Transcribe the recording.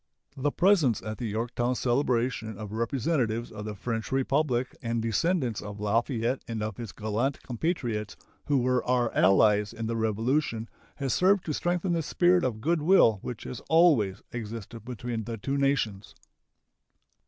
The presence at the Yorktown celebration of representatives of the French Republic and descendants of Lafayette and of his gallant compatriots who were our allies in the Revolution has served to strengthen the spirit of good will which has always existed between the two nations.